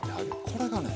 これがね